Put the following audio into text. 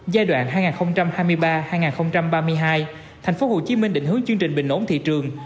giai đoạn hai nghìn hai mươi ba hai nghìn ba mươi hai thành phố hồ chí minh định hướng chương trình bình ổn thị trường